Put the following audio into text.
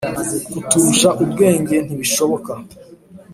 kuturusha ubwenge ntibishoboka.